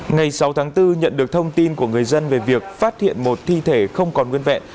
ngày sáu tháng bốn nhận được thông tin của người dân về việc phát hiện một thi thể không còn nguyên vẹn